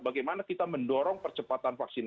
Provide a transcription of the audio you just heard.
bagaimana kita mendorong percepatan vaksin